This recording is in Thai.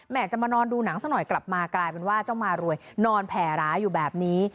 จะมานอนดูหนังสักหน่อยกลับมากลายเป็นว่าเจ้ามารวยนอนแผ่ร้าอยู่แบบนี้